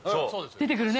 出てくるね？